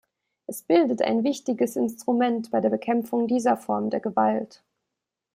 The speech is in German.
Es bildet ein wichtiges Instrument bei der Bekämpfung dieser Form der Gewalt.